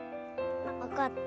わかった。